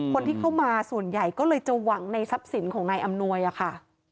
คนที่เข้ามาส่วนใหญ่ก็เลยจะหวังในทรัพย์สินของนายอำนวยอะค่ะ